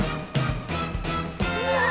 うわ！